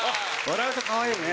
笑うとかわいいね。